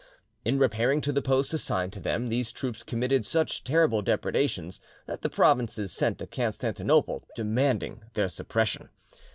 In repairing to the posts assigned to them, these troops committed such terrible depredations that the provinces sent to Constantinople demanding their suppression.